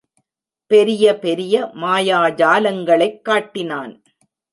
பெரிய பெரிய மாயாஜாலங்களைக் காட்டினான்.